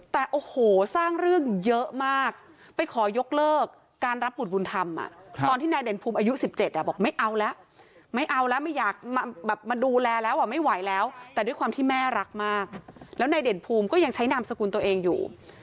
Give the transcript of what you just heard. แต่ด้วยความที่แม่รักมากแล้วในนายเด่นภูมิก็ยังใช้นามสกุลตัวเองอยู่